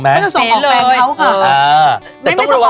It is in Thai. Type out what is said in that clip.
เจ๊ไม่ใช่ทรงออกแฟนเรา